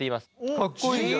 かっこいいじゃん。